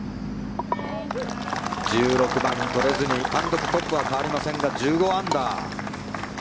１６番、取れずに単独トップは変わりませんが１５アンダー。